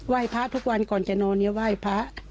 ไหว้พาทุกวันก่อนจะนอนไหว้พา